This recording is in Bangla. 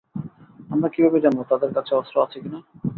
আমরা কিভাবে জানবো তাদের কাছে অস্ত্র আছে কিনা?